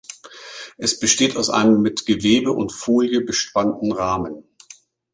Es besteht aus einem mit Gewebe und Folie bespannten Rahmen.